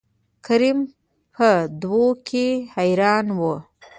کريم په دو کې حيران وو.